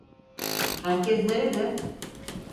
Herkes nerede?